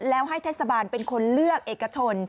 แล้วให้เทศบาลเป็นคนเลือกเอกชน